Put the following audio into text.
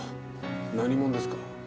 何者ですか？